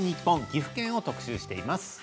岐阜県を特集しています。